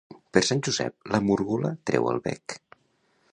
Per Sant Josep, la múrgola treu el bec.